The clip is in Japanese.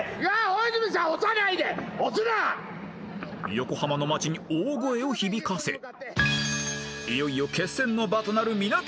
［横浜の街に大声を響かせいよいよ決戦の場となるみなとみらいへ］